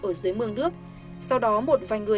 ở dưới mương nước sau đó một vài người